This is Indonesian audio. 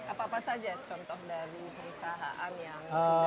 apa apa saja contoh dari perusahaan yang sudah